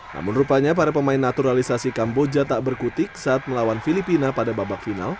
namun rupanya para pemain naturalisasi kamboja tak berkutik saat melawan filipina pada babak final